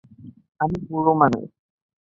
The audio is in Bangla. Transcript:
আমি বুড়ো মানুষ।